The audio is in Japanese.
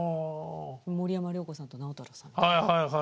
森山良子さんと直太朗さんみたいな。